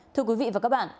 thưa quý vị và các bạn